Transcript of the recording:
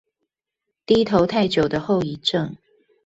低頭太久的後遺症